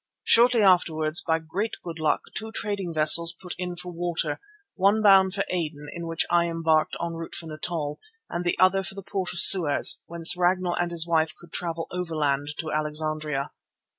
Shortly afterwards, by great good luck, two trading vessels put in for water, one bound for Aden, in which I embarked en route for Natal, and the other for the port of Suez, whence Ragnall and his wife could travel overland to Alexandria.